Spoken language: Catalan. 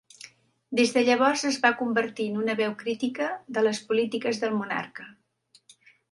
Des de llavors es va convertir en una veu crítica de les polítiques del monarca.